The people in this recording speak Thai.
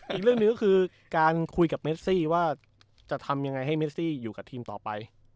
ก็คือการคุยกับเมซี่ว่าจะทำยังไงให้เมซี่อยู่กับทีมต่อไป